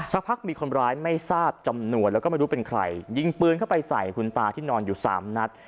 สักพักมีคนร้ายไม่ทราบจำนวนแล้วก็ไม่รู้เป็นใครยิงปืนเข้าไปใส่คุณตาที่นอนอยู่สามนัด